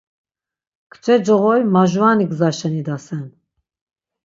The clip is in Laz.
Kçe coğori majurani gzaşen idasen.